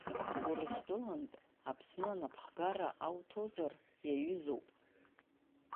Урыстәылантә Аԥсны анапхгара ауҭозар иаҩызоуп.